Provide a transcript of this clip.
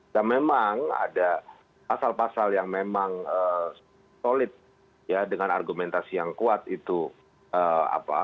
nah memang ada pasal pasal yang memang solid ya dengan argumentasi yang kuat itu apa